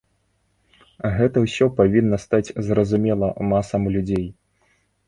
Гэта ўсё павінна стаць зразумела масам людзей.